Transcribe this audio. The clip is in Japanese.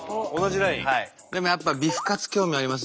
でもやっぱビフカツ興味ありますね。